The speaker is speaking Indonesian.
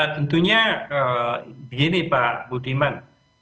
tentunya begini pak budiman